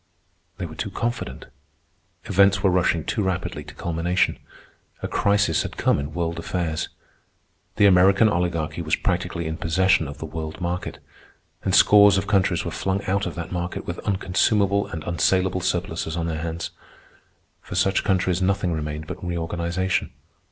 They were too confident. Events were rushing too rapidly to culmination. A crisis had come in world affairs. The American Oligarchy was practically in possession of the world market, and scores of countries were flung out of that market with unconsumable and unsalable surpluses on their hands. For such countries nothing remained but reorganization.